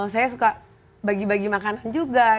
saya suka bagi bagi makanan juga